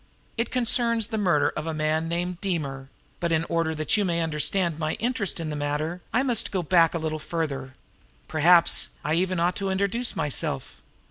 It concerns the murder of a man named Deemer; but in order that you may understand my interest in the matter, I must go back quite a little further. Perhaps I even ought to introduce myself.